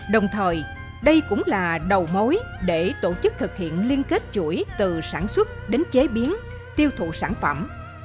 đồng thời đây cũng là đầu mối để tổ chức thực hiện liên kết chuỗi từ sản xuất đến chế biến tiêu thụ sản phẩm